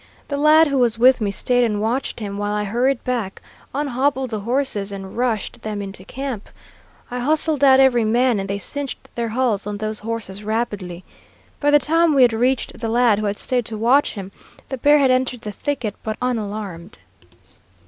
The lad who was with me stayed and watched him, while I hurried back, unhobbled the horses, and rushed them into camp. I hustled out every man, and they cinched their hulls on those horses rapidly. By the time we had reached the lad who had stayed to watch him, the bear had entered the thicket, but unalarmed.